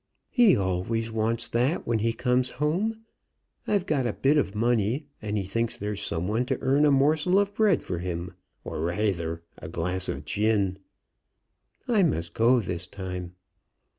"He always wants that when he comes home. I've got a bit of money, and he thinks there's some one to earn a morsel of bread for him or rayther a glass of gin. I must go this time."